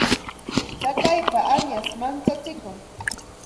Tsakaypa añash manchachikun.